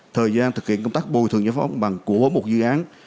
thời gian thực hiện công tác bùi thường nhà pháp bàn của một dự án